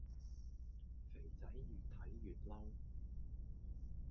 肥仔愈睇愈嬲